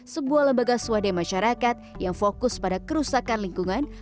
sebuah lembaga swadaya masyarakat yang fokus pada kerusakan lingkungan